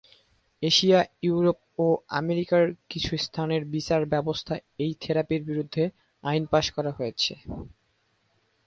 Asia, Europe ও আমেরিকার কিছু স্থানের বিচার ব্যবস্থায় এই থেরাপির বিরুদ্ধে আইন পাস করা হয়েছে।